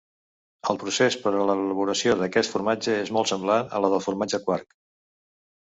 El procés per a l'elaboració d'aquest formatge és molt semblant a la del formatge quark.